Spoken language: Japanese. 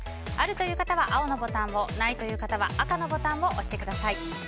あるという方は青のボタンをないという方は赤のボタンを押してください。